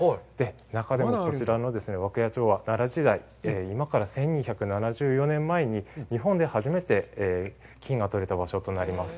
中でも、こちらの涌谷町は、奈良時代、今から１２７４年前に日本で初めて金が採れた場所となります。